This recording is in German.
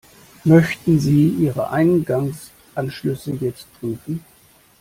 Möchten Sie Ihre Eingangsanschlüsse jetzt prüfen?